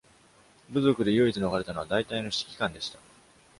部族で唯一逃れたのは大隊の指揮官でした。